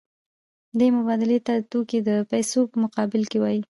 دې مبادلې ته توکي د پیسو په مقابل کې وايي